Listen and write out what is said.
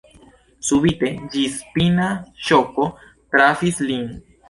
Subite ĝisspina ŝoko trafis lin.